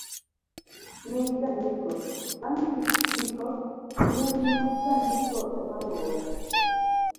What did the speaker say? nying' jandiko.bang' giko ,nying' jandiko ema luwe